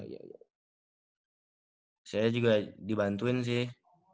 sebenarnya juga dibantuin sih